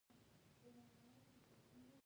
د دښتو د ساتنې لپاره قوانین شته.